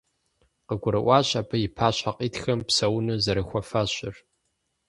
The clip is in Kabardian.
КъыгурыӀуащ абы и пащхьэ къитхэм псэуну зэрахуэфащэр.